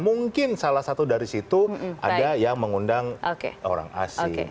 mungkin salah satu dari situ ada yang mengundang orang asing